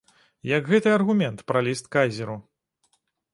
Як гэты аргумент пра ліст кайзеру.